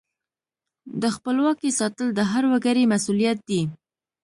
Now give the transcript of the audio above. د خپلواکۍ ساتل د هر وګړي مسؤلیت دی.